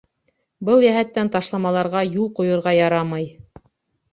Был йәһәттән ташламаларға юл ҡуйырға ярамай.